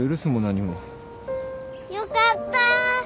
よかった。